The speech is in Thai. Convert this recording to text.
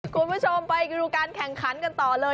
คุณผู้ชมไปดูการแข่งขันกันต่อเลย